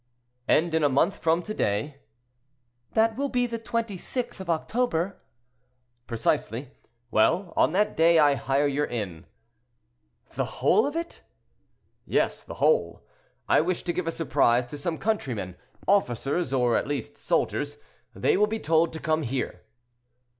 "And in a month from to day—" "That will be the 26th of October." "Precisely. Well, on that day I hire your inn."—"The whole of it?" "Yes, the whole. I wish to give a surprise to some countrymen, officers—or at least—soldiers: they will be told to come here."